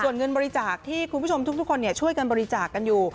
ส่วนเงินบริจาคที่คุณผู้ชมทุกคนช่วยกันบริจาคกันอยู่